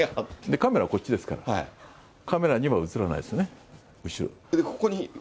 カメラこっちですから、カメラには映らないですよね、後ろ。